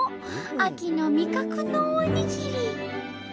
秋の味覚のおにぎり！